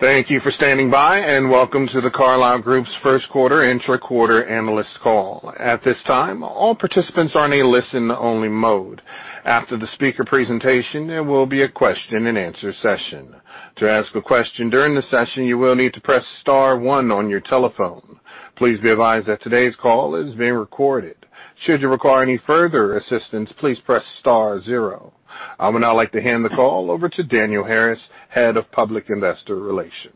Thank you for standing by, and welcome to The Carlyle Group's first quarter intra-quarter analyst call. At this time, all participants are in a listen-only mode. After the speaker presentation, there will be a question and answer session. To ask a question during the session, you will need to press star one on your telephone. Please be advised that today's call is being recorded. Should you require any further assistance, please press star zero. I would now like to hand the call over to Daniel Harris, Head of Public Investor Relations.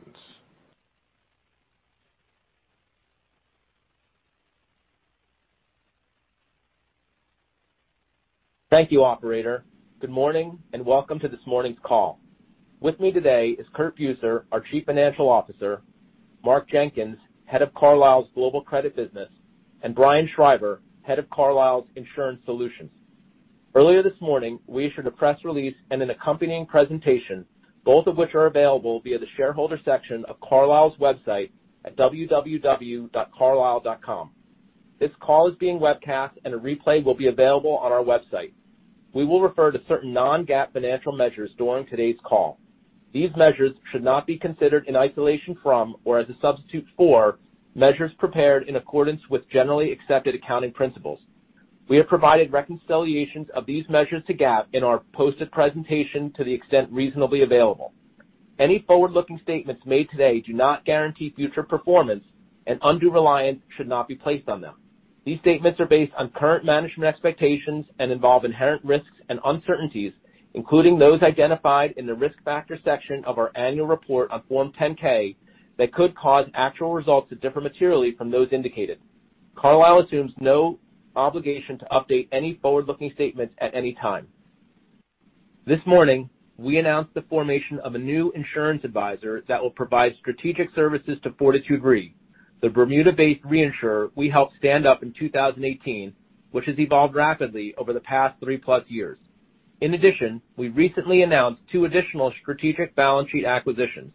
Thank you, operator. Good morning, and welcome to this morning's call. With me today is Curt Buser, our Chief Financial Officer, Mark Jenkins, Head of Carlyle's Global Credit Business, and Brian Schreiber, Head of Carlyle's Insurance Solutions. Earlier this morning, we issued a press release and an accompanying presentation, both of which are available via the shareholder section of Carlyle's website at www.carlyle.com. This call is being webcast, and a replay will be available on our website. We will refer to certain non-GAAP financial measures during today's call. These measures should not be considered in isolation from or as a substitute for measures prepared in accordance with generally accepted accounting principles. We have provided reconciliations of these measures to GAAP in our posted presentation to the extent reasonably available. Any forward-looking statements made today do not guarantee future performance, and undue reliance should not be placed on them. These statements are based on current management expectations and involve inherent risks and uncertainties, including those identified in the risk factor section of our annual report on Form 10-K, that could cause actual results to differ materially from those indicated. Carlyle assumes no obligation to update any forward-looking statements at any time. This morning, we announced the formation of a new insurance advisor that will provide strategic services to Fortitude Re, the Bermuda-based reinsurer we helped stand up in 2018, which has evolved rapidly over the past 3+ years. In addition, we recently announced two additional strategic balance sheet acquisitions,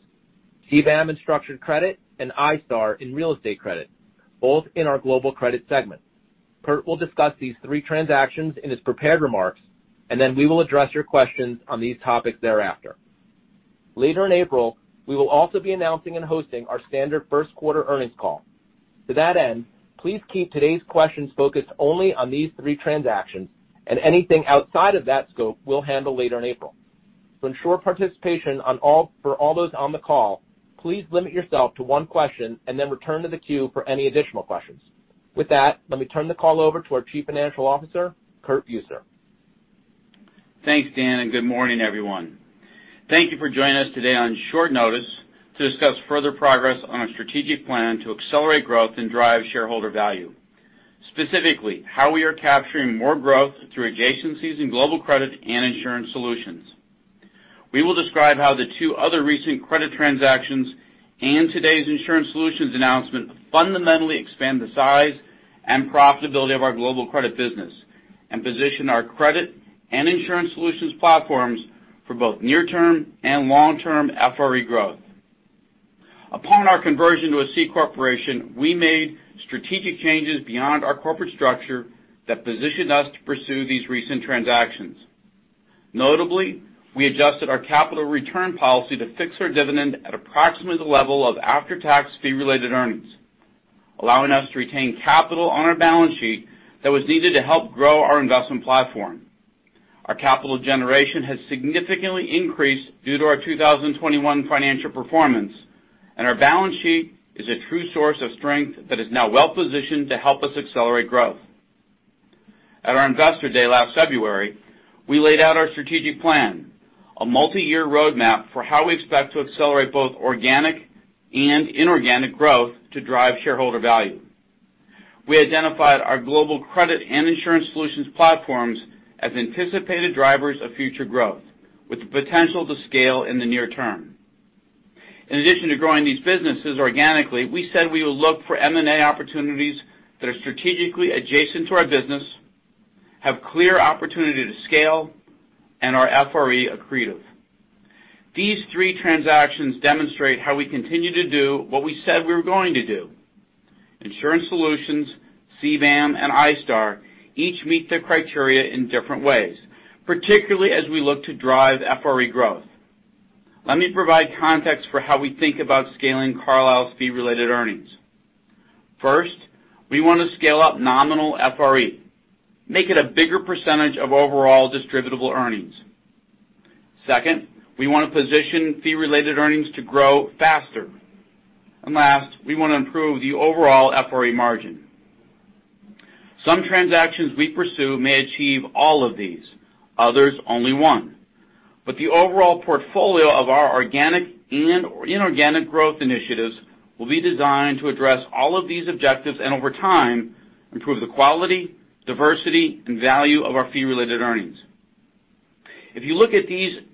CBAM, Structured Credit, and iStar in real estate credit, both in our global credit segment. Curt will discuss these three transactions in his prepared remarks, and then we will address your questions on these topics thereafter. Later in April, we will also be announcing and hosting our standard first quarter earnings call. To that end, please keep today's questions focused only on these three transactions, and anything outside of that scope we'll handle later in April. To ensure participation for all those on the call, please limit yourself to one question and then return to the queue for any additional questions. With that, let me turn the call over to our Chief Financial Officer, Curt Buser. Thanks, Dan, and good morning, everyone. Thank you for joining us today on short notice to discuss further progress on our strategic plan to accelerate growth and drive shareholder value, specifically how we are capturing more growth through adjacencies in global credit and insurance solutions. We will describe how the two other recent credit transactions and today's insurance solutions announcement fundamentally expand the size and profitability of our global credit business and position our credit and insurance solutions platforms for both near-term and long-term FRE growth. Upon our conversion to a C corporation, we made strategic changes beyond our corporate structure that positioned us to pursue these recent transactions. Notably, we adjusted our capital return policy to fix our dividend at approximately the level of after-tax fee-related earnings, allowing us to retain capital on our balance sheet that was needed to help grow our investment platform. Our capital generation has significantly increased due to our 2021 financial performance, and our balance sheet is a true source of strength that is now well-positioned to help us accelerate growth. At our investor day last February, we laid out our strategic plan, a multi-year roadmap for how we expect to accelerate both organic and inorganic growth to drive shareholder value. We identified our global credit and insurance solutions platforms as anticipated drivers of future growth, with the potential to scale in the near term. In addition to growing these businesses organically, we said we will look for M&A opportunities that are strategically adjacent to our business, have clear opportunity to scale, and are FRE accretive. These three transactions demonstrate how we continue to do what we said we were going to do. Insurance Solutions, CBAM, and iStar each meet the criteria in different ways, particularly as we look to drive FRE growth. Let me provide context for how we think about scaling Carlyle's fee-related earnings. First, we wanna scale up nominal FRE, make it a bigger percentage of overall distributable earnings. Second, we wanna position fee-related earnings to grow faster. And last, we wanna improve the overall FRE margin. Some transactions we pursue may achieve all of these, others only one. The overall portfolio of our organic and inorganic growth initiatives will be designed to address all of these objectives, and over time, improve the quality, diversity, and value of our fee-related earnings. If you look at these three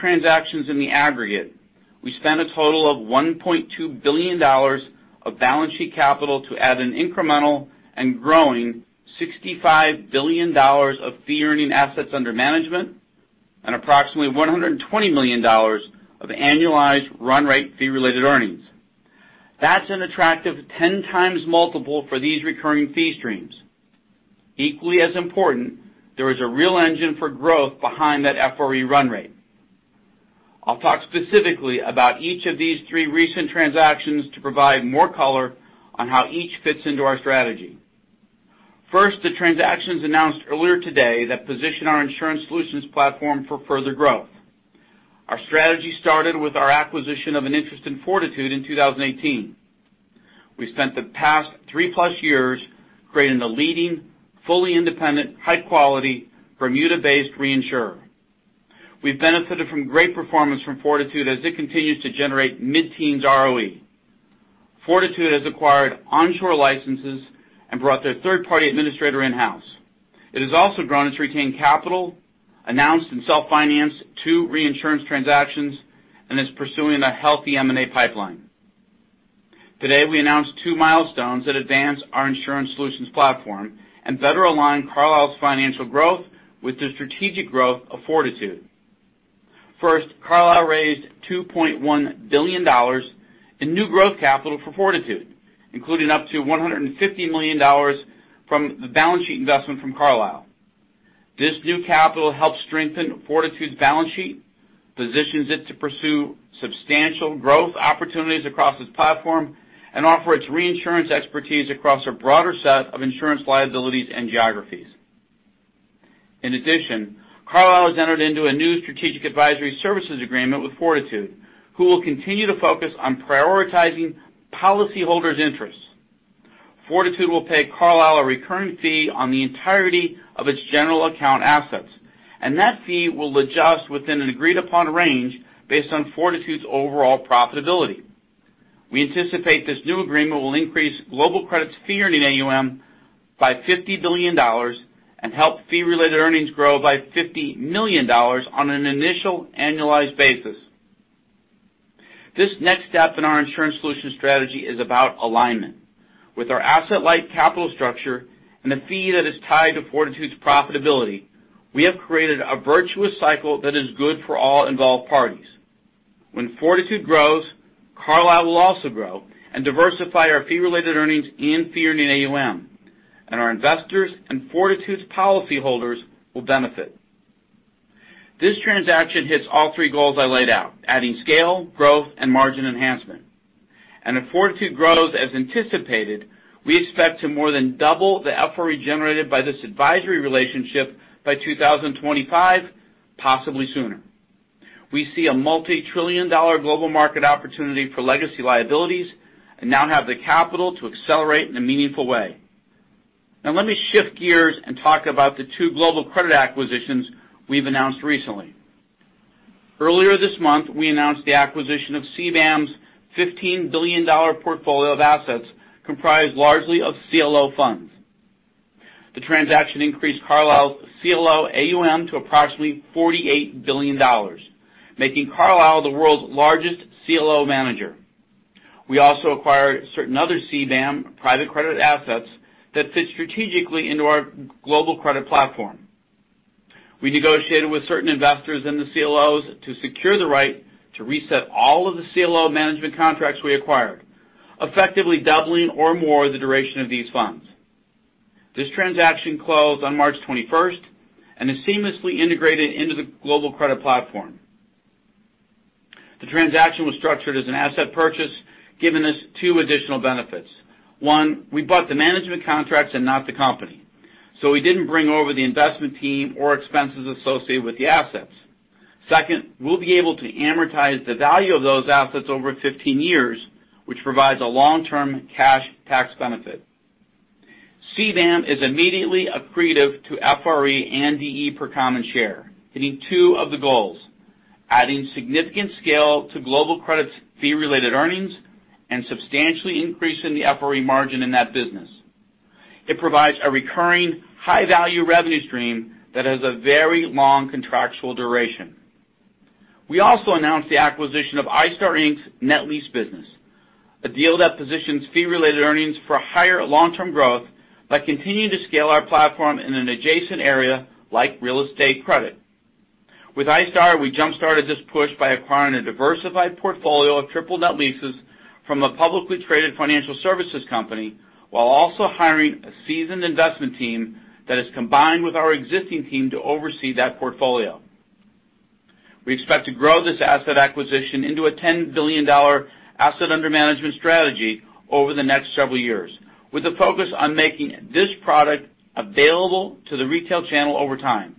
transactions in the aggregate, we spent a total of $1.2 billion of balance sheet capital to add an incremental and growing $65 billion of fee-earning assets under management and approximately $120 million of annualized run rate fee-related earnings. That's an attractive 10x multiple for these recurring fee streams. Equally as important, there is a real engine for growth behind that FRE run rate. I'll talk specifically about each of these three recent transactions to provide more color on how each fits into our strategy. First, the transactions announced earlier today that position our insurance solutions platform for further growth. Our strategy started with our acquisition of an interest in Fortitude in 2018. We spent the past 3+ years creating a leading, fully independent, high-quality, Bermuda-based reinsurer. We've benefited from great performance from Fortitude as it continues to generate mid-teens ROE. Fortitude has acquired onshore licenses and brought their third-party administrator in-house. It has also grown its retained capital, announced and self-financed two reinsurance transactions, and is pursuing a healthy M&A pipeline. Today, we announced two milestones that advance our insurance solutions platform and better align Carlyle's financial growth with the strategic growth of Fortitude. First, Carlyle raised $2.1 billion in new growth capital for Fortitude, including up to $150 million from the balance sheet investment from Carlyle. This new capital helps strengthen Fortitude's balance sheet, positions it to pursue substantial growth opportunities across its platform, and offer its reinsurance expertise across a broader set of insurance liabilities and geographies. In addition, Carlyle has entered into a new strategic advisory services agreement with Fortitude, who will continue to focus on prioritizing policyholders' interests. Fortitude will pay Carlyle a recurring fee on the entirety of its general account assets, and that fee will adjust within an agreed-upon range based on Fortitude's overall profitability. We anticipate this new agreement will increase Global Credit's fee-earning AUM by $50 billion and help fee-related earnings grow by $50 million on an initial annualized basis. This next step in our insurance solutions strategy is about alignment. With our asset-light capital structure and a fee that is tied to Fortitude's profitability, we have created a virtuous cycle that is good for all involved parties. When Fortitude grows, Carlyle will also grow and diversify our fee-related earnings and fee-earning AUM, and our investors and Fortitude's policyholders will benefit. This transaction hits all three goals I laid out, adding scale, growth, and margin enhancement. If Fortitude grows as anticipated, we expect to more than double the FRE generated by this advisory relationship by 2025, possibly sooner. We see a multi-trillion-dollar global market opportunity for legacy liabilities and now have the capital to accelerate in a meaningful way. Now let me shift gears and talk about the two global credit acquisitions we've announced recently. Earlier this month, we announced the acquisition of CBAM's $15 billion portfolio of assets comprised largely of CLO funds. The transaction increased Carlyle's CLO AUM to approximately $48 billion, making Carlyle the world's largest CLO manager. We also acquired certain other CBAM private credit assets that fit strategically into our global credit platform. We negotiated with certain investors in the CLOs to secure the right to reset all of the CLO management contracts we acquired, effectively doubling or more the duration of these funds. This transaction closed on March 21st and is seamlessly integrated into the global credit platform. The transaction was structured as an asset purchase, giving us two additional benefits. One, we bought the management contracts and not the company, so we didn't bring over the investment team or expenses associated with the assets. Second, we'll be able to amortize the value of those assets over 15 years, which provides a long-term cash tax benefit. CBAM is immediately accretive to FRE and DE per common share, hitting two of the goals, adding significant scale to global credits fee-related earnings and substantially increasing the FRE margin in that business. It provides a recurring high-value revenue stream that has a very long contractual duration. We also announced the acquisition of iStar Inc's net lease business, a deal that positions fee-related earnings for higher long-term growth by continuing to scale our platform in an adjacent area like real estate credit. With iStar, we jump-started this push by acquiring a diversified portfolio of triple net leases from a publicly traded financial services company while also hiring a seasoned investment team that is combined with our existing team to oversee that portfolio. We expect to grow this asset acquisition into a $10 billion asset under management strategy over the next several years, with a focus on making this product available to the retail channel over time.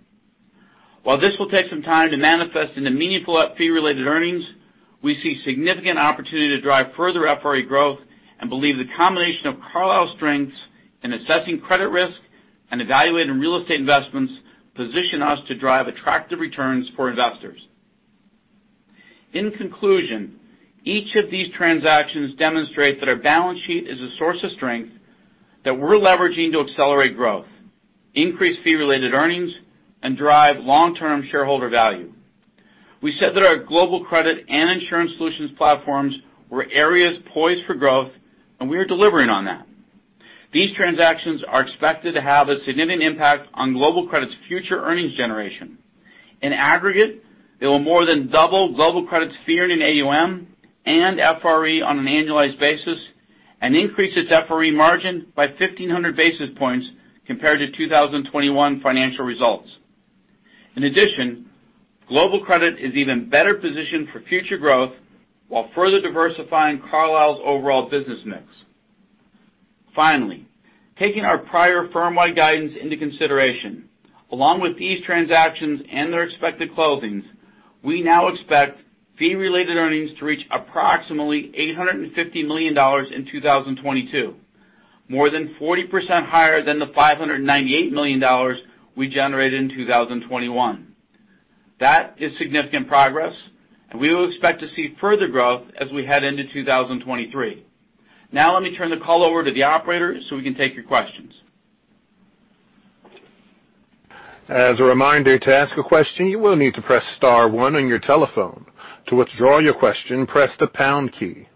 While this will take some time to manifest into meaningful fee-related earnings, we see significant opportunity to drive further FRE growth and believe the combination of Carlyle's strengths in assessing credit risk and evaluating real estate investments position us to drive attractive returns for investors. In conclusion, each of these transactions demonstrate that our balance sheet is a source of strength that we're leveraging to accelerate growth, increase fee-related earnings, and drive long-term shareholder value. We said that our global credit and insurance solutions platforms were areas poised for growth, and we are delivering on that. These transactions are expected to have a significant impact on Global Credit's future earnings generation. In aggregate, they will more than double Global Credit's fee-earning AUM and FRE on an annualized basis and increase its FRE margin by 1,500 basis points compared to 2021 financial results. In addition, Global Credit is even better positioned for future growth while further diversifying Carlyle's overall business mix. Finally, taking our prior firm-wide guidance into consideration, along with these transactions and their expected closings, we now expect fee-related earnings to reach approximately $850 million in 2022, more than 40% higher than the $598 million we generated in 2021. That is significant progress, and we will expect to see further growth as we head into 2023. Now let me turn the call over to the operator so we can take your questions. As a reminder, to ask a question, you will need to press star one on your telephone. To withdraw your question, press the pound key.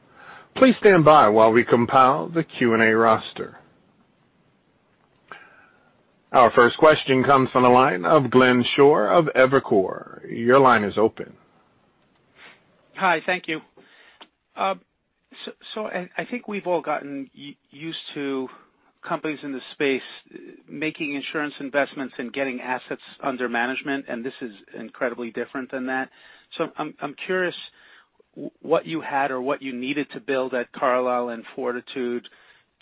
Please stand by while we compile the Q&A roster. Our first question comes from the line of Glenn Schorr of Evercore. Your line is open. Hi. Thank you. I think we've all gotten used to companies in this space making insurance investments and getting assets under management, and this is incredibly different than that. I'm curious what you had or what you needed to build at Carlyle and Fortitude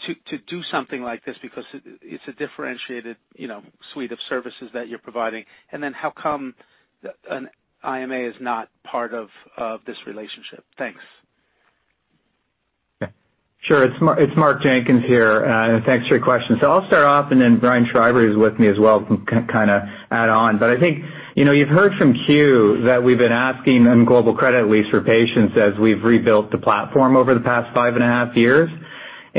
to do something like this because it's a differentiated, you know, suite of services that you're providing. Then how come an IMA is not part of this relationship? Thanks. Sure. It's Mark Jenkins here, and thanks for your question. I'll start off, and then Brian Schreiber is with me as well to kinda add on. I think, you know, you've heard from Q that we've been asking them, global credit at least, for patience as we've rebuilt the platform over the past five and a half years.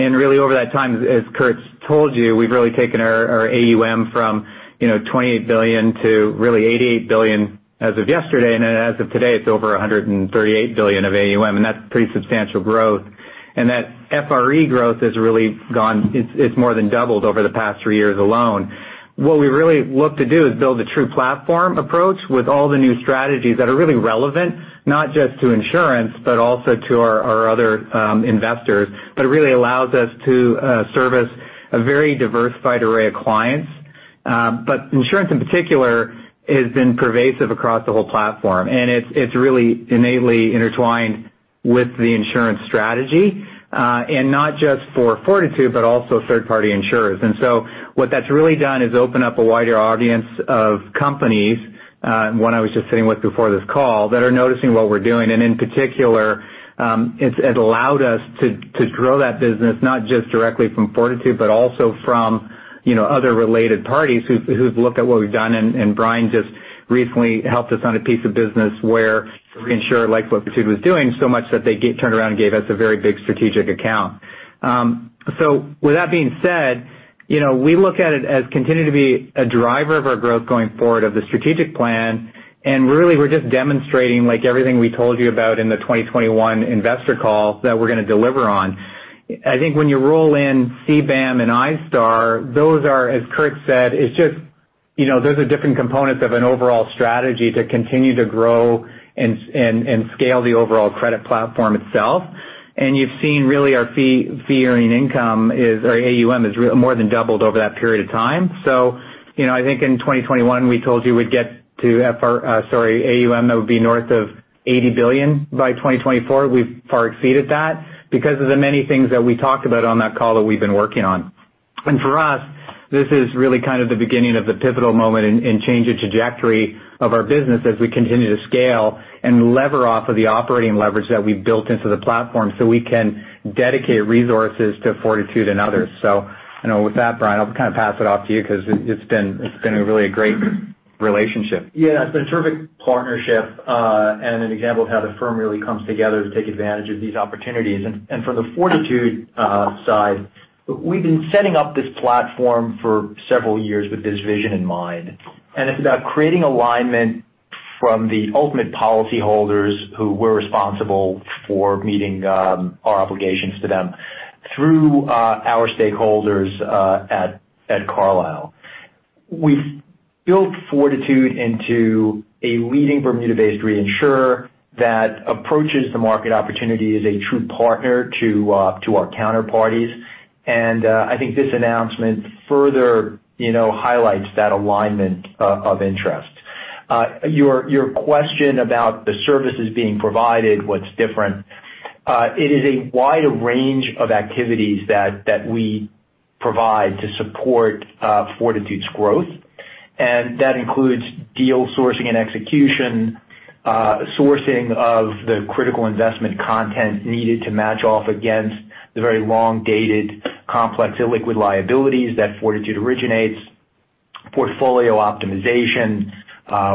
Really over that time, as Curt's told you, we've really taken our AUM from, you know, $28 billion to really $88 billion as of yesterday. As of today, it's over $138 billion of AUM, and that's pretty substantial growth. That FRE growth has really gone. It's more than doubled over the past three years alone. What we really look to do is build a true platform approach with all the new strategies that are really relevant, not just to insurance, but also to our other investors, that really allows us to service a very diversified array of clients. Insurance in particular has been pervasive across the whole platform, and it's really innately intertwined with the insurance strategy, and not just for Fortitude, but also third-party insurers. What that's really done is open up a wider audience of companies, one I was just sitting with before this call, that are noticing what we're doing. In particular, it allowed us to grow that business, not just directly from Fortitude, but also from you know other related parties who've looked at what we've done. Brian just recently helped us on a piece of business where reinsurer liked what Fortitude was doing so much that they turned around and gave us a very big strategic account. With that being said, you know, we look at it as continuing to be a driver of our growth going forward of the strategic plan. Really, we're just demonstrating, like everything we told you about in the 2021 investor call, that we're gonna deliver on. I think when you roll in CBAM and iStar, those are, as Curt said, it's just, you know, those are different components of an overall strategy to continue to grow and scale the overall credit platform itself. You've seen really our fee-earning income or AUM has more than doubled over that period of time. You know, I think in 2021, we told you we'd get to AUM that would be north of $80 billion by 2024. We've far exceeded that because of the many things that we talked about on that call that we've been working on. For us, this is really kind of the beginning of the pivotal moment and change of trajectory of our business as we continue to scale and lever off of the operating leverage that we've built into the platform so we can dedicate resources to Fortitude and others. You know, with that, Brian, I'll kind of pass it off to you 'cause it's been a really great relationship. Yeah. It's been a terrific partnership, and an example of how the firm really comes together to take advantage of these opportunities. From the Fortitude side, we've been setting up this platform for several years with this vision in mind, and it's about creating alignment from the ultimate policy holders who were responsible for meeting our obligations to them through our stakeholders at Carlyle. We've built Fortitude into a leading Bermuda-based reinsurer that approaches the market opportunity as a true partner to our counterparties. I think this announcement further, you know, highlights that alignment of interest. Your question about the services being provided, what's different, it is a wide range of activities that we provide to support Fortitude's growth. That includes deal sourcing and execution, sourcing of the critical investment content needed to match off against the very long dated complex illiquid liabilities that Fortitude originates, portfolio optimization,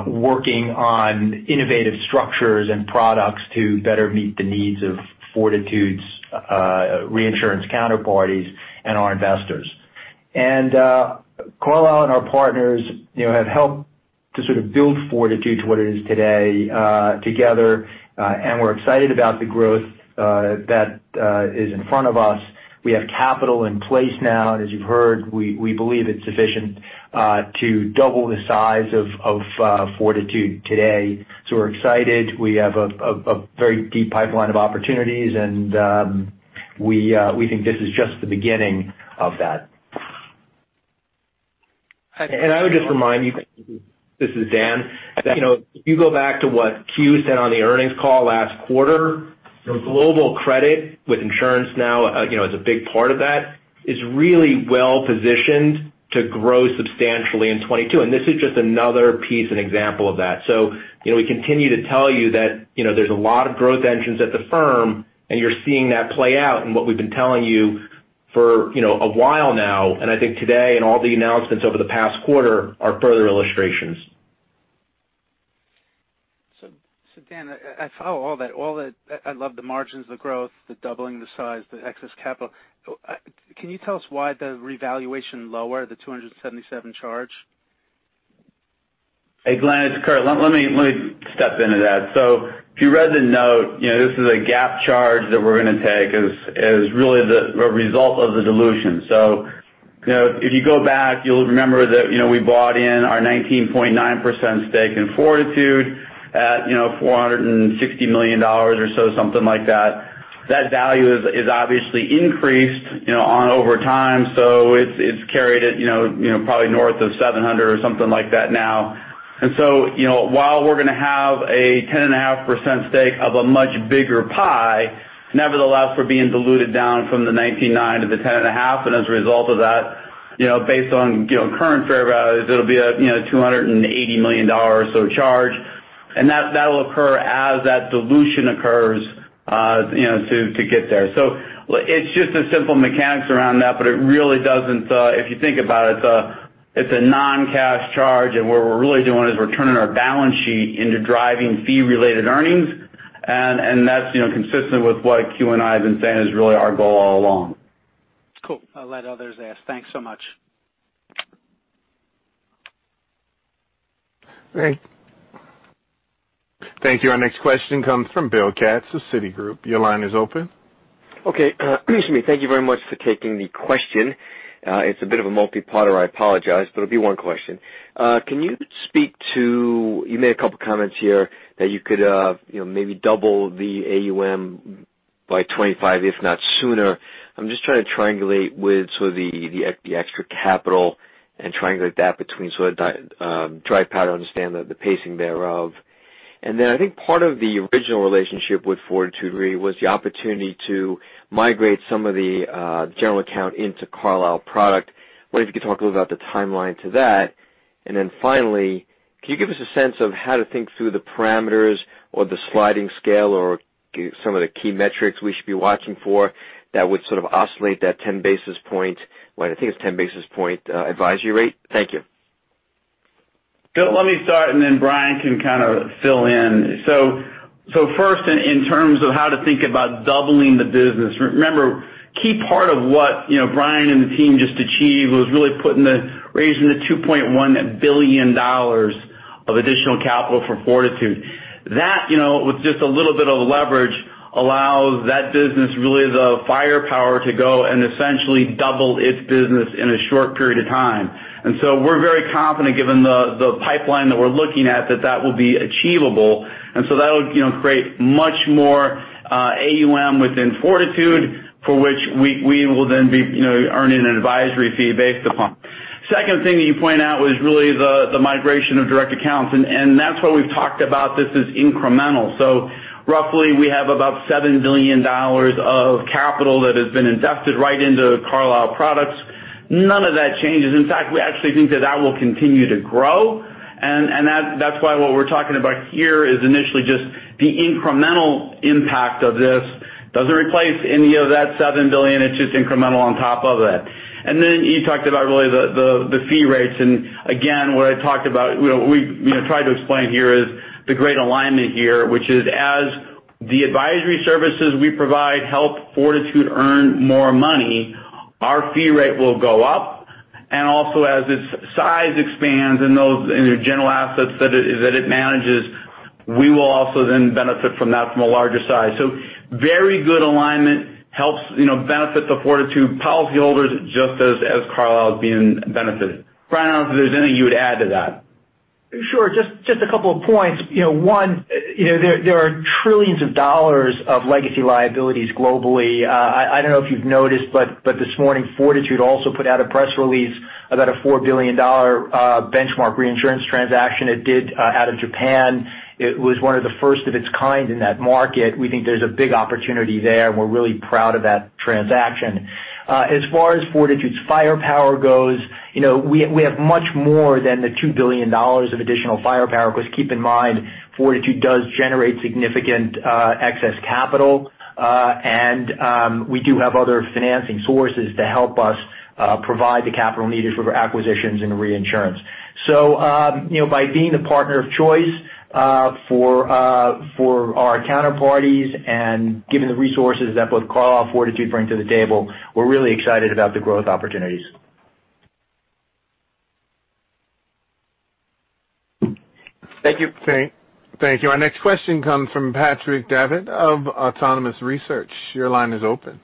working on innovative structures and products to better meet the needs of Fortitude's reinsurance counterparties and our investors. Carlyle and our partners, you know, have helped to sort of build Fortitude to what it is today, together. We're excited about the growth that is in front of us. We have capital in place now, and as you've heard, we believe it's sufficient to double the size of Fortitude today. We're excited. We have a very deep pipeline of opportunities, and we think this is just the beginning of that. I would just remind you, this is Dan. You know, if you go back to what Q said on the earnings call last quarter, Global Credit with Insurance now, you know, is a big part of that, is really well-positioned to grow substantially in 2022. This is just another piece and example of that. You know, we continue to tell you that, you know, there's a lot of growth engines at the firm, and you're seeing that play out in what we've been telling you for, you know, a while now. I think today and all the announcements over the past quarter are further illustrations. Dan, I follow all that. I love the margins, the growth, the doubling, the size, the excess capital. Can you tell us why the revaluation lower, the $277 charge? Hey, Glenn, it's Curt. Let me step into that. If you read the note, you know, this is a GAAP charge that we're gonna take as really a result of the dilution. You know, if you go back, you'll remember that, you know, we bought our 19.9% stake in Fortitude at, you know, $460 million or so, something like that. That value has obviously increased, you know, over time. It's carried at, you know, probably north of $700 million or something like that now. You know, while we're gonna have a 10.5% stake of a much bigger pie, nevertheless, we're being diluted down from the 19.9% to the 10.5%. As a result of that, you know, based on, you know, current fair values, it'll be a, you know, $280 million or so charge. That will occur as that dilution occurs, you know, to get there. It's just the simple mechanics around that, but it really doesn't, if you think about it's a non-cash charge. What we're really doing is we're turning our balance sheet into driving fee-related earnings. That's, you know, consistent with what Q and I have been saying is really our goal all along. Cool. I'll let others ask. Thanks so much. Great. Thank you. Our next question comes from Bill Katz with Citigroup. Your line is open. Okay. Excuse me. Thank you very much for taking the question. It's a bit of a multi-part. I apologize, but it'll be one question. Can you speak to, you made a couple comments here that you could, you know, maybe double the AUM by 2025, if not sooner. I'm just trying to triangulate with sort of the extra capital and triangulate that between so that try to understand the pacing thereof. Then I think part of the original relationship with Fortitude Re was the opportunity to migrate some of the general account into Carlyle product. Wonder if you could talk a little about the timeline to that. Then finally, can you give us a sense of how to think through the parameters or the sliding scale or some of the key metrics we should be watching for that would sort of oscillate that 10 basis points, what I think is 10 basis points, advisory rate? Thank you. Bill, let me start, and then Brian can kind of fill in. First in terms of how to think about doubling the business, remember, key part of what, you know, Brian and the team just achieved was really raising the $2.1 billion of additional capital for Fortitude. That, you know, with just a little bit of leverage, allows that business really the firepower to go and essentially double its business in a short period of time. We're very confident given the pipeline that we're looking at, that that will be achievable. That would, you know, create much more AUM within Fortitude, for which we will then be, you know, earning an advisory fee based upon. Second thing that you point out was really the migration of direct accounts. That's why we've talked about this as incremental. Roughly, we have about $7 billion of capital that has been invested right into Carlyle products. None of that changes. In fact, we actually think that will continue to grow. That's why what we're talking about here is initially just the incremental impact of this. It doesn't replace any of that $7 billion, it's just incremental on top of it. Then you talked about really the fee rates. Again, what I talked about, you know, we, you know, tried to explain here is the great alignment here, which is as the advisory services we provide help Fortitude earn more money, our fee rate will go up. As its size expands and those in their general account assets that it manages, we will also then benefit from that from a larger size. Very good alignment helps, you know, benefit the Fortitude policyholders just as Carlyle is being benefited. Brian, I don't know if there's anything you would add to that. Sure. Just a couple of points. You know, one, you know, there are trillions of dollars of legacy liabilities globally. I don't know if you've noticed, but this morning, Fortitude also put out a press release about a $4 billion benchmark reinsurance transaction it did out of Japan. It was one of the first of its kind in that market. We think there's a big opportunity there, and we're really proud of that transaction. As far as Fortitude's firepower goes, you know, we have much more than the $2 billion of additional firepower, because keep in mind, Fortitude does generate significant excess capital. And we do have other financing sources to help us provide the capital needed for acquisitions and reinsurance. you know, by being the partner of choice for our counterparties and given the resources that both Carlyle and Fortitude bring to the table, we're really excited about the growth opportunities. Thank you. Thank you. Our next question comes from Patrick Davitt of Autonomous Research. Your line is open.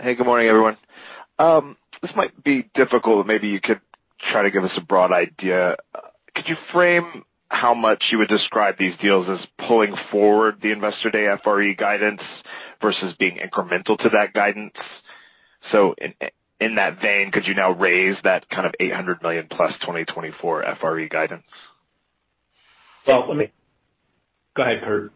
Hey, good morning, everyone. This might be difficult. Maybe you could try to give us a broad idea. Could you frame how much you would describe these deals as pulling forward the Investor Day FRE guidance versus being incremental to that guidance? In that vein, could you now raise that kind of $800 million plus 2024 FRE guidance? Well, let me. Go ahead, Curt.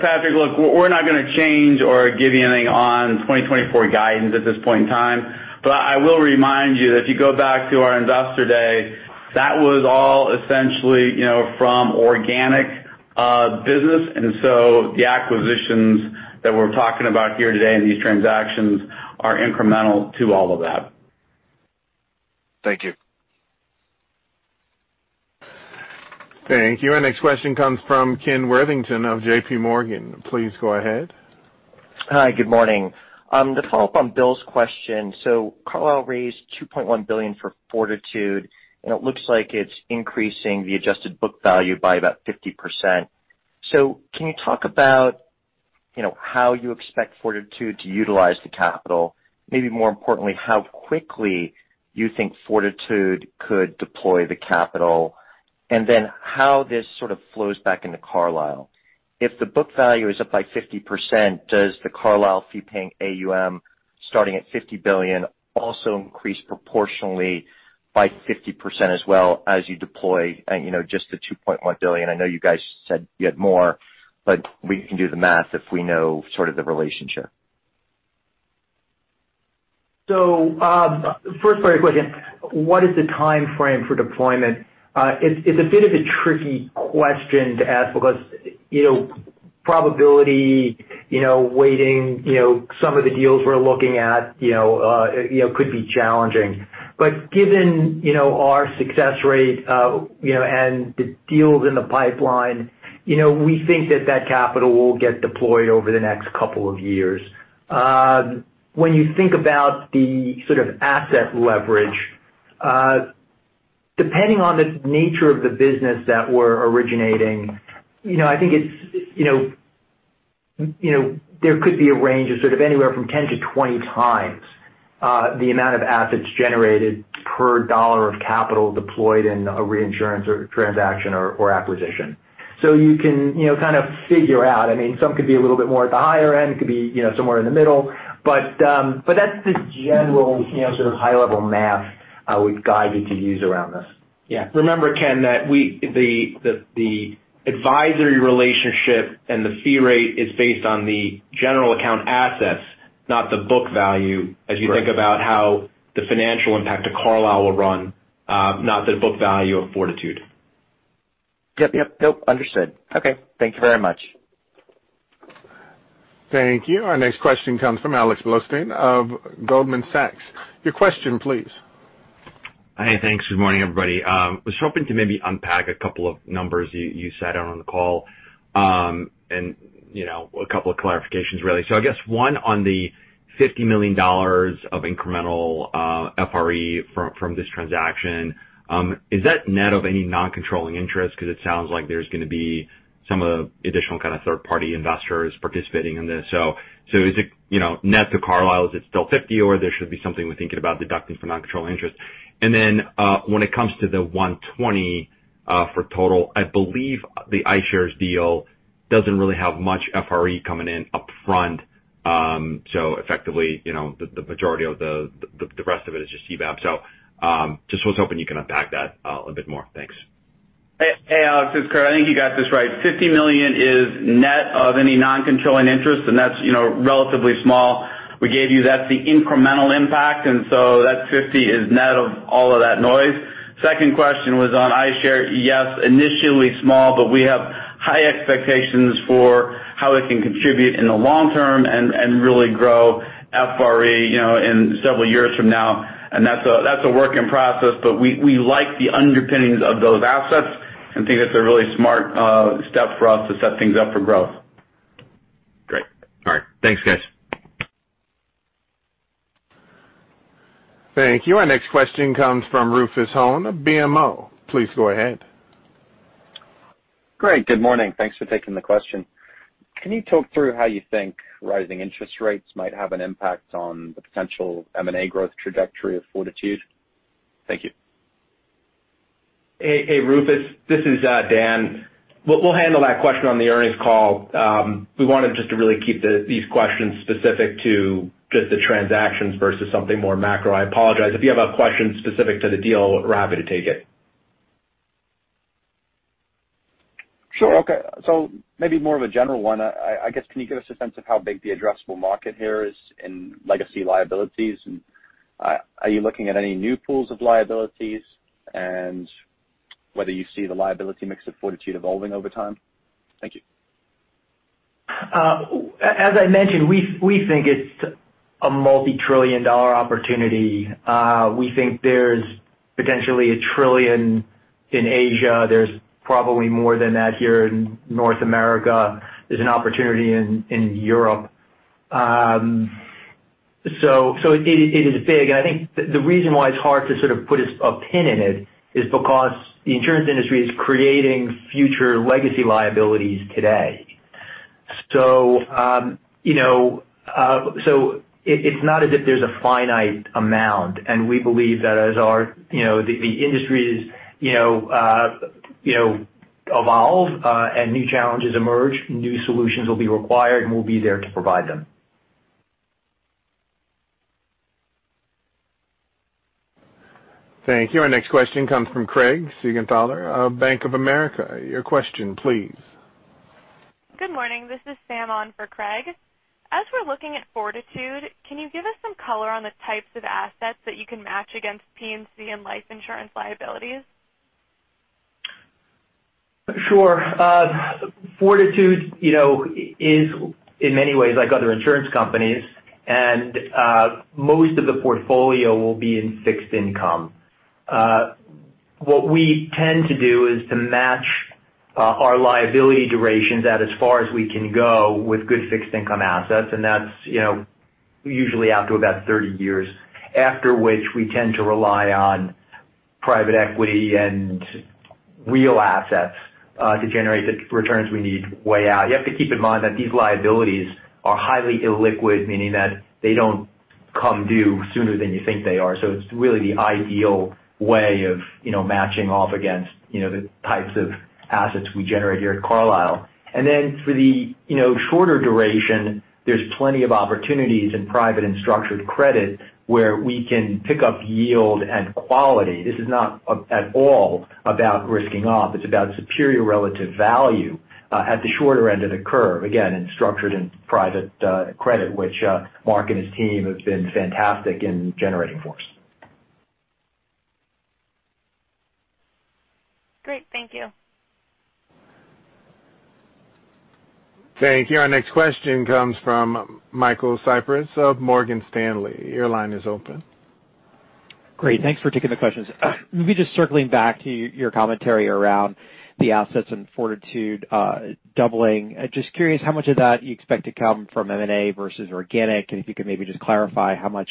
Patrick, look, we're not gonna change or give you anything on 2024 guidance at this point in time, but I will remind you, if you go back to our Investor Day, that was all essentially, you know, from organic business. The acquisitions that we're talking about here today and these transactions are incremental to all of that. Thank you. Thank you. Our next question comes from Kenneth Worthington of JPMorgan. Please go ahead. Hi, good morning. To follow up on Bill's question, Carlyle raised $2.1 billion for Fortitude, and it looks like it's increasing the adjusted book value by about 50%. Can you talk about, you know, how you expect Fortitude to utilize the capital? Maybe more importantly, how quickly you think Fortitude could deploy the capital, and then how this sort of flows back into Carlyle. If the book value is up by 50%, does the Carlyle fee paying AUM, starting at $50 billion, also increase proportionally by 50% as well as you deploy, you know, just the $2.1 billion? I know you guys said you had more, but we can do the math if we know sort of the relationship. First part of your question, what is the timeframe for deployment? It's a bit of a tricky question to ask because, you know, probably waiting, you know, some of the deals we're looking at, you know, could be challenging. But given, you know, our success rate, you know, and the deals in the pipeline, you know, we think that capital will get deployed over the next couple of years. When you think about the sort of asset leverage, depending on the nature of the business that we're originating, you know, I think it's, you know, there could be a range of sort of anywhere from 10x-20x, the amount of assets generated per dollar of capital deployed in a reinsurance or transaction or acquisition. You can, you know, kind of figure out, I mean, some could be a little bit more at the higher end, it could be, you know, somewhere in the middle, but that's the general, you know, sort of high-level math we've guided to use around this. Yeah. Remember, Ken, that the advisory relationship and the fee rate is based on the general account assets, not the book value. Right. as you think about how the financial impact to Carlyle will run, not the book value of Fortitude. Yep, yep. Nope, understood. Okay, thank you very much. Thank you. Our next question comes from Alex Blostein of Goldman Sachs. Your question, please. Hi. Thanks. Good morning, everybody. Was hoping to maybe unpack a couple of numbers you set out on the call, and you know, a couple of clarifications, really. I guess one on the $50 million of incremental FRE from this transaction, is that net of any non-controlling interest? 'Cause it sounds like there's gonna be some additional kind of third-party investors participating in this. Is it, you know, net to Carlyle, is it still $50 million or there should be something we're thinking about deducting for non-controlling interest? And then, when it comes to the $120 million for total, I believe the iStar deal doesn't really have much FRE coming in upfront. Effectively, you know, the majority of the rest of it is just CBAM. Just was hoping you can unpack that, a bit more. Thanks. Hey, hey, Alex. It's Curt. I think you got this right. $50 million is net of any non-controlling interest, and that's, you know, relatively small. We gave you, that's the incremental impact, and so that $50 is net of all of that noise. Second question was on iStar. Yes, initially small, but we have high expectations for how it can contribute in the long term and really grow FRE, you know, in several years from now. That's a work in process, but we like the underpinnings of those assets and think it's a really smart step for us to set things up for growth. Great. All right. Thanks, guys. Thank you. Our next question comes from Rufus Hone, BMO. Please go ahead. Great. Good morning. Thanks for taking the question. Can you talk through how you think rising interest rates might have an impact on the potential M&A growth trajectory of Fortitude? Thank you. Hey, Rufus. This is Dan. We'll handle that question on the earnings call. We wanted just to really keep these questions specific to just the transactions versus something more macro. I apologize. If you have a question specific to the deal, we're happy to take it. Sure. Okay. Maybe more of a general one. I guess, can you give us a sense of how big the addressable market here is in legacy liabilities, and are you looking at any new pools of liabilities, and whether you see the liability mix of Fortitude evolving over time? Thank you. As I mentioned, we think it's a multi-trillion dollar opportunity. We think there's potentially $1 trillion in Asia. There's probably more than that here in North America. There's an opportunity in Europe. It is big. I think the reason why it's hard to sort of put a pin in it is because the insurance industry is creating future legacy liabilities today. It's not as if there's a finite amount, and we believe that as the industries evolve, and new challenges emerge, new solutions will be required, and we'll be there to provide them. Thank you. Our next question comes from Craig Siegenthaler of Bank of America. Your question please. Good morning. This is Sam on for Craig. As we're looking at Fortitude, can you give us some color on the types of assets that you can match against P&C and life insurance liabilities? Sure. Fortitude, you know, is in many ways like other insurance companies, and most of the portfolio will be in fixed income. What we tend to do is to match our liability durations out as far as we can go with good fixed income assets, and that's, you know, usually out to about 30 years, after which we tend to rely on private equity and real assets to generate the returns we need way out. You have to keep in mind that these liabilities are highly illiquid, meaning that they don't come due sooner than you think they are. It's really the ideal way of, you know, matching off against, you know, the types of assets we generate here at Carlyle. For the, you know, shorter duration, there's plenty of opportunities in private and structured credit where we can pick up yield and quality. This is not at all about risking off. It's about superior relative value at the shorter end of the curve, again in structured and private credit, which Mark and his team have been fantastic in generating for us. Great. Thank you. Thank you. Our next question comes from Michael Cyprys of Morgan Stanley. Your line is open. Great. Thanks for taking the questions. Maybe just circling back to your commentary around the assets in Fortitude doubling. Just curious how much of that you expect to come from M&A versus organic, and if you could maybe just clarify how much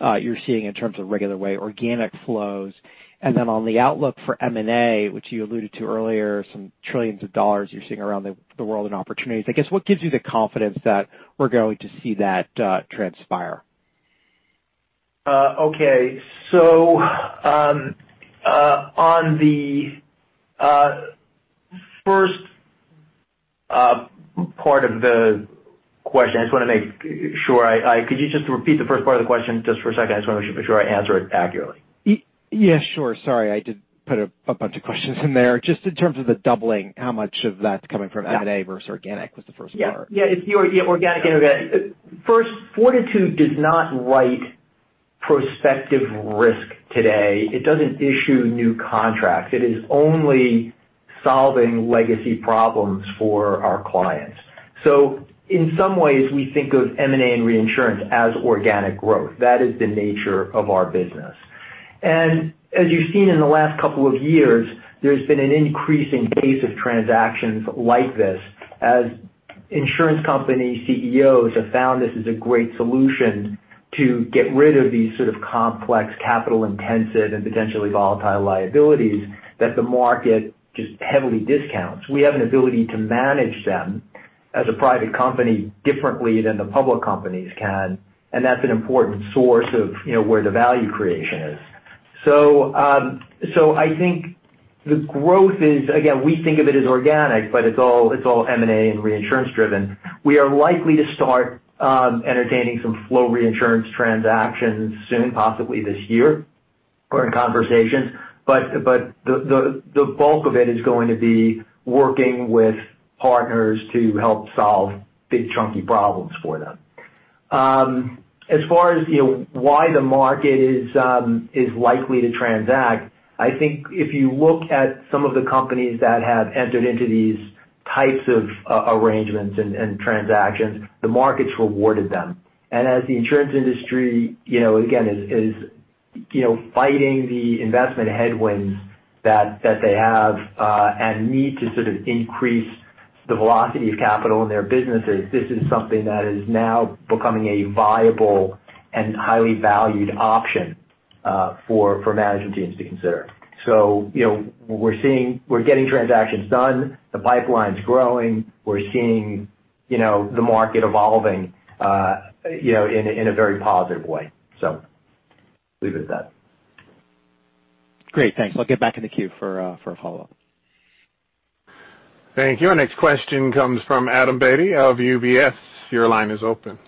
you're seeing in terms of regular way organic flows. On the outlook for M&A, which you alluded to earlier, some trillions of dollars you're seeing around the world in opportunities. I guess, what gives you the confidence that we're going to see that transpire? Okay. On the first part of the question, I just wanna make sure. Could you just repeat the first part of the question just for a second? I just wanna make sure I answer it accurately. Yes, sure. Sorry. I did put a bunch of questions in there. Just in terms of the doubling, how much of that's coming from M&A versus organic was the first part. Yeah. Yeah, it's organic, inorganic. First, Fortitude does not write prospective risk today. It doesn't issue new contracts. It is only solving legacy problems for our clients. In some ways, we think of M&A and reinsurance as organic growth. That is the nature of our business. As you've seen in the last couple of years, there's been an increasing pace of transactions like this as insurance company CEOs have found this is a great solution to get rid of these sort of complex, capital-intensive and potentially volatile liabilities that the market just heavily discounts. We have an ability to manage them as a private company differently than the public companies can, and that's an important source of, you know, where the value creation is. I think the growth is, again, we think of it as organic, but it's all M&A and reinsurance driven. We are likely to start entertaining some flow reinsurance transactions soon, possibly this year or in conversations. The bulk of it is going to be working with partners to help solve big chunky problems for them. As far as, you know, why the market is likely to transact, I think if you look at some of the companies that have entered into these types of arrangements and transactions, the market's rewarded them. As the insurance industry, you know, again is fighting the investment headwinds that they have, and need to sort of increase the velocity of capital in their businesses, this is something that is now becoming a viable and highly valued option, for management teams to consider. You know, we're getting transactions done. The pipeline's growing. We're seeing, you know, the market evolving, you know, in a very positive way. Leave it at that. Great. Thanks. I'll get back in the queue for follow-up. Thank you. Our next question comes from Adam Beatty of UBS. Your line is open.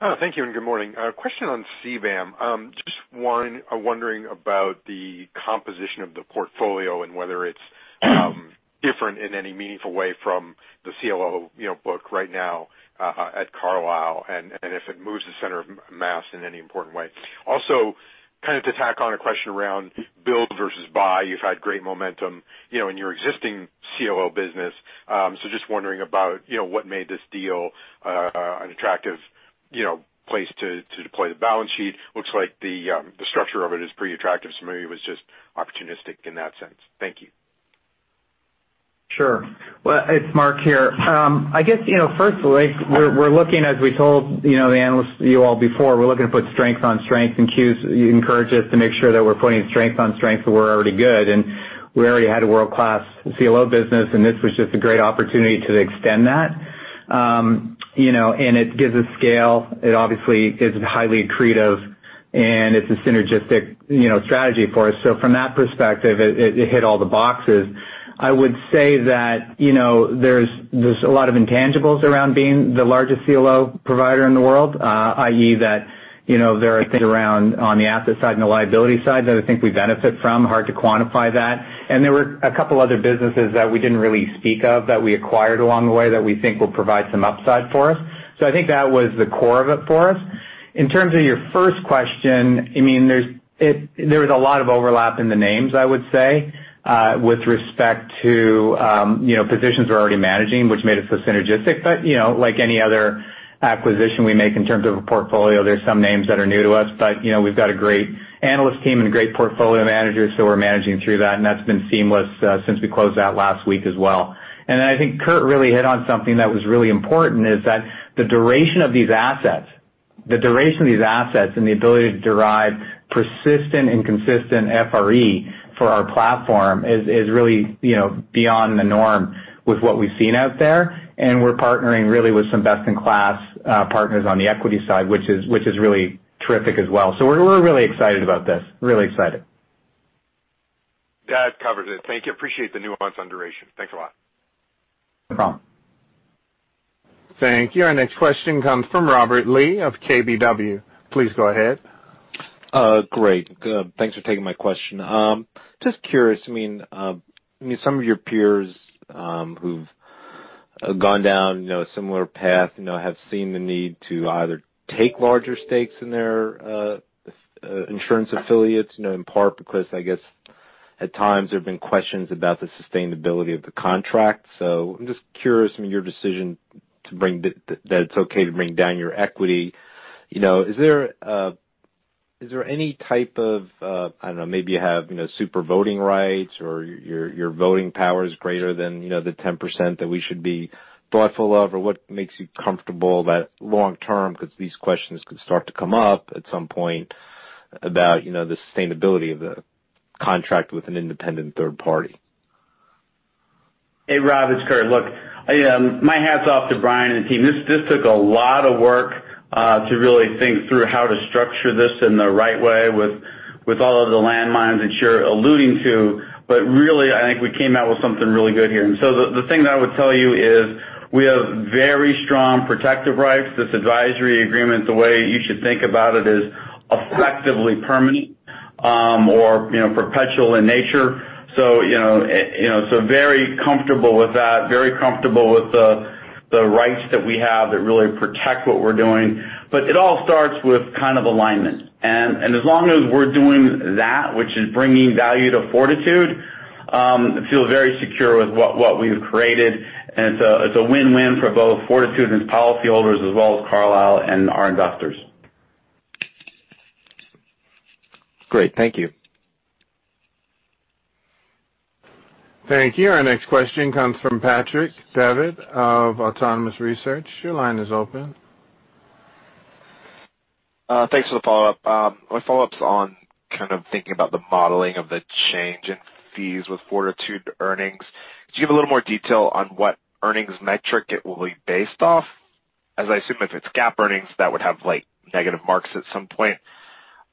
Oh, thank you, and good morning. A question on CBAM. Just wondering about the composition of the portfolio and whether it's different in any meaningful way from the CLO, you know, book right now at Carlyle, and if it moves the center of mass in any important way. Also, kind of to tack on a question around build versus buy, you've had great momentum, you know, in your existing CLO business. So just wondering about, you know, what made this deal an attractive place to deploy the balance sheet. Looks like the structure of it is pretty attractive, so maybe it was just opportunistic in that sense. Thank you. Sure. Well, it's Mark here. I guess, you know, firstly, we're looking as we told, you know, the analysts, you all before, we're looking to put strength on strength, and Q's encouraged us to make sure that we're putting strength on strength where we're already good. We already had a world-class CLO business, and this was just a great opportunity to extend that. You know, it gives us scale. It obviously is highly accretive, and it's a synergistic, you know, strategy for us. From that perspective, it hit all the boxes. I would say that, you know, there's a lot of intangibles around being the largest CLO provider in the world, i.e., that, you know, there are things around on the asset side and the liability side that I think we benefit from. Hard to quantify that. There were a couple other businesses that we didn't really speak of that we acquired along the way that we think will provide some upside for us. I think that was the core of it for us. In terms of your first question, I mean, there was a lot of overlap in the names, I would say, with respect to, you know, positions we're already managing, which made it so synergistic. You know, like any other acquisition we make in terms of a portfolio, there's some names that are new to us. You know, we've got a great analyst team and a great portfolio manager, so we're managing through that, and that's been seamless, since we closed out last week as well. I think Curt really hit on something that was really important, is that the duration of these assets and the ability to derive persistent and consistent FRE for our platform is really, you know, beyond the norm with what we've seen out there. We're partnering really with some best-in-class partners on the equity side, which is really terrific as well. We're really excited about this. Really excited. That covers it. Thank you. Appreciate the nuance on duration. Thanks a lot. No problem. Thank you. Our next question comes from Robert Lee of KBW. Please go ahead. Great. Thanks for taking my question. Just curious, I mean, some of your peers who've gone down, you know, a similar path, you know, have seen the need to either take larger stakes in their insurance affiliates, you know, in part because I guess at times there have been questions about the sustainability of the contract. I'm just curious, I mean, your decision to bring down that it's okay to bring down your equity. You know, is there any type of, I don't know, maybe you have, you know, super voting rights or your voting power is greater than, you know, the 10% that we should be thoughtful of, or what makes you comfortable that long term, 'cause these questions could start to come up at some point about, you know, the sustainability of the contract with an independent third party? Hey, Rob, it's Curt. Look, I, my hat's off to Brian and the team. This took a lot of work to really think through how to structure this in the right way with all of the landmines that you're alluding to, but really, I think we came out with something really good here. The thing that I would tell you is we have very strong protective rights. This advisory agreement, the way you should think about it is effectively permanent, or, you know, perpetual in nature. So, you know, you know, so very comfortable with that, very comfortable with the rights that we have that really protect what we're doing. It all starts with kind of alignment. As long as we're doing that, which is bringing value to Fortitude, I feel very secure with what we've created, and it's a win-win for both Fortitude and its policyholders as well as Carlyle and our investors. Great. Thank you. Thank you. Our next question comes from Patrick Davitt of Autonomous Research. Your line is open. Thanks for the follow-up. My follow-up's on kind of thinking about the modeling of the change in fees with Fortitude earnings. Could you give a little more detail on what earnings metric it will be based off? As I assume if it's GAAP earnings, that would have, like, negative marks at some point.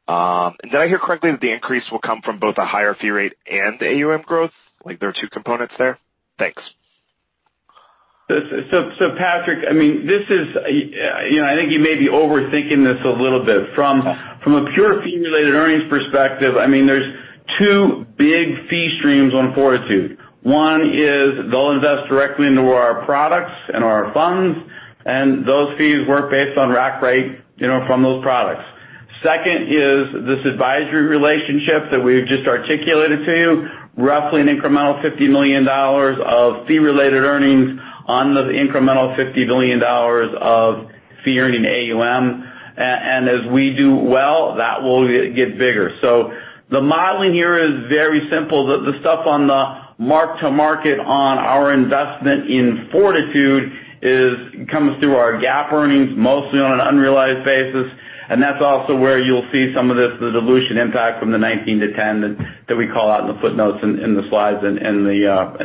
Did I hear correctly that the increase will come from both a higher fee rate and the AUM growth? Like there are two components there? Thanks. Patrick, I mean, this is, you know, I think you may be overthinking this a little bit. From a pure fee-related earnings perspective, I mean, there's two big fee streams on Fortitude. One is they'll invest directly into our products and our funds, and those fees work based on rack rate, you know, from those products. Second is this advisory relationship that we've just articulated to you, roughly an incremental $50 million of fee-related earnings on the incremental $50 billion of fee-earning AUM. And as we do well, that will get bigger. The modeling here is very simple. The stuff on the mark-to-market on our investment in Fortitude comes through our GAAP earnings, mostly on an unrealized basis, and that's also where you'll see some of this, the dilution impact from the 19 to 10 that we call out in the footnotes in the slides and in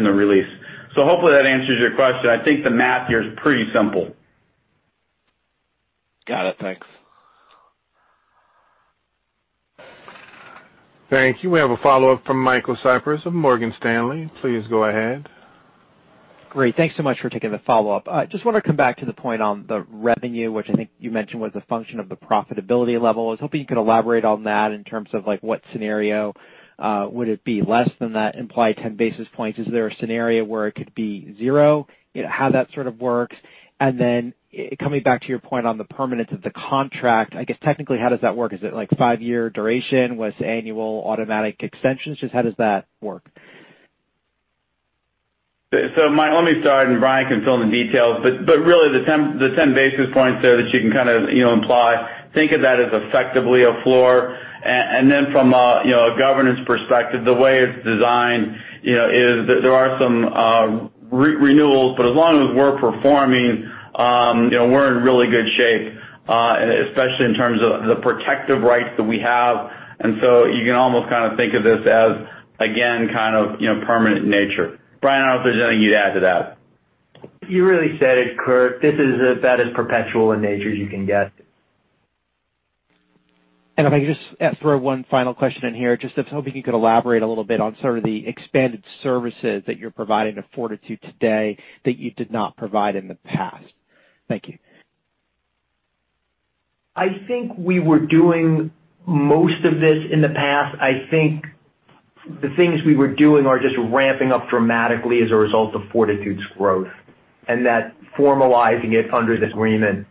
the release. Hopefully that answers your question. I think the math here is pretty simple. Got it. Thanks. Thank you. We have a follow-up from Michael Cyprys of Morgan Stanley. Please go ahead. Great. Thanks so much for taking the follow-up. I just wanna come back to the point on the revenue, which I think you mentioned was a function of the profitability level. I was hoping you could elaborate on that in terms of, like, what scenario would it be less than that implied 10 basis points? Is there a scenario where it could be zero? You know, how that sort of works. And then coming back to your point on the permanence of the contract, I guess technically, how does that work? Is it like five-year duration with annual automatic extensions? Just how does that work? Let me start, and Brian can fill in the details. Really the 10 basis points there that you can kind of, you know, imply, think of that as effectively a floor. From a, you know, a governance perspective, the way it's designed, you know, is there are some renewals, but as long as we're performing, you know, we're in really good shape, especially in terms of the protective rights that we have. You can almost kind of think of this as, again, kind of, you know, permanent in nature. Brian, I don't know if there's anything you'd add to that. You really said it, Curt. This is about as perpetual in nature as you can get. If I could just throw one final question in here. Just I was hoping you could elaborate a little bit on sort of the expanded services that you're providing to Fortitude today that you did not provide in the past. Thank you. I think we were doing most of this in the past. I think the things we were doing are just ramping up dramatically as a result of Fortitude's growth, and that formalizing it under this agreement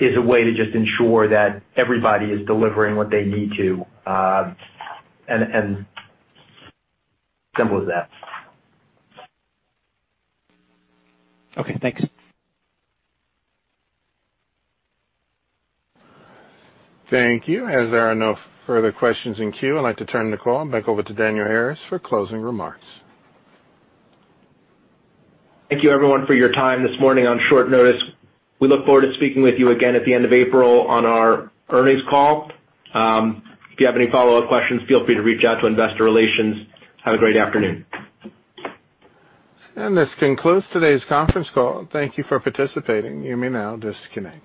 is a way to just ensure that everybody is delivering what they need to, and simple as that. Okay, thanks. Thank you. As there are no further questions in queue, I'd like to turn the call back over to Daniel Harris for closing remarks. Thank you everyone for your time this morning on short notice. We look forward to speaking with you again at the end of April on our earnings call. If you have any follow-up questions, feel free to reach out to investor relations. Have a great afternoon. This concludes today's conference call. Thank you for participating. You may now disconnect.